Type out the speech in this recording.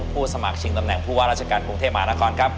สมัครชิงตำแหน่งผู้ว่าราชการกรุงเทพมหานครครับ